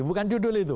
bukan judul itu